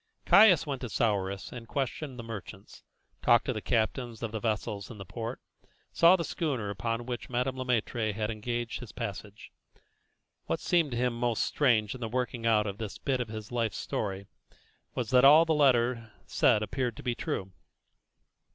Caius went to Souris and questioned the merchants, talked to the captains of the vessels in the port, saw the schooner upon which Madame Le Maître had engaged his passage. What seemed to him most strange in the working out of this bit of his life's story, was that all that the letter said appeared to be true.